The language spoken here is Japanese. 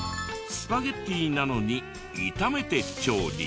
スパゲティなのに炒めて調理。